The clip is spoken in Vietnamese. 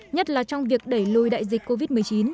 nhất là trong việc đẩy lùi đại dịch covid một mươi chín